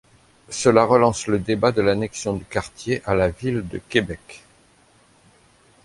Cela relance le débat de l’annexion du quartier à la ville de Québec.